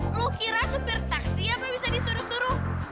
lu kira supir taksi apa yang bisa disuruh suruh